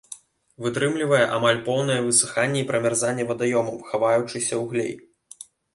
Вытрымлівае амаль поўнае высыханне і прамярзанне вадаёмаў, хаваючыся ў глей.